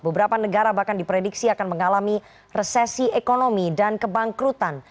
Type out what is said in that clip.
beberapa negara bahkan diprediksi akan mengalami resesi ekonomi dan kebangkrutan